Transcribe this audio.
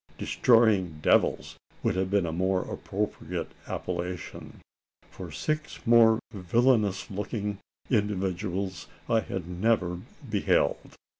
"Destroying devils" would have been a more appropriate appellation: for six more villainous looking individuals I had never beheld.